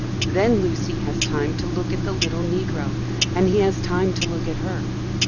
Then Lucy has time to look at the little Negro, and he has time to look at her.